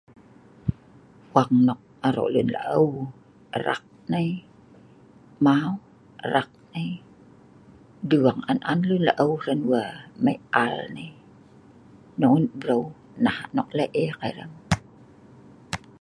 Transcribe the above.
fwang nok aro lun la'eu, rak nai, mau.. rak nai dung an an lun laeu hran wae, mai al nai.. non breu, nah nok lek eek ai